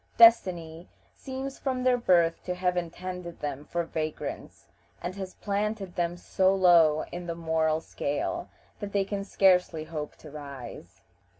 Destiny seems from their birth to have intended them for vagrants, and has planted them so low in the moral scale that they can scarcely hope to rise.